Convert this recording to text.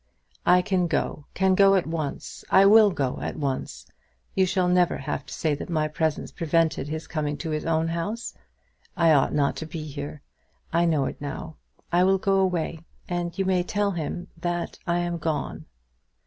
"I can go; can go at once. I will go at once. You shall never have to say that my presence prevented his coming to his own house. I ought not to be here. I know it now. I will go away, and you may tell him that I am gone."